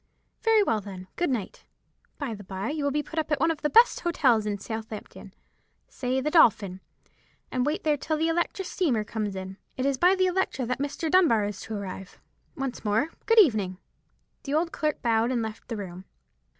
"Very well, then. Good night! By the bye, you will put up at one of the best hotels at Southampton—say the Dolphin—and wait there till the Electra steamer comes in. It is by the Electra that Mr. Dunbar is to arrive. Once more, good evening!" The old clerk bowed and left the room.